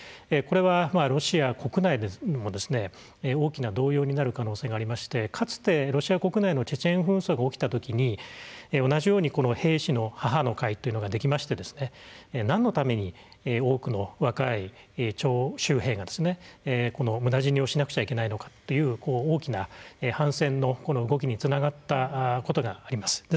これはロシア国内も大きな動揺になる可能性がありましてかつてロシア国内のチェチェン紛争が起きたときに同じように兵士の母の会というのができましてなんのために多くの若い徴集兵がむだ死にをしなくちゃいけないのかという大きな反戦の動きにつながったことがあります。